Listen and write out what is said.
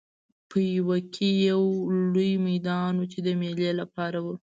پېوه کې یو لوی میدان و چې د مېلې لپاره و.